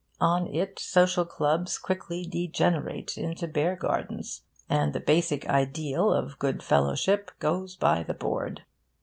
On it social clubs quickly degenerate into bear gardens, and the basic ideal of good fellowship goes by the board.